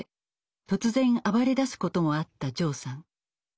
突然暴れだすこともあったジョーさん。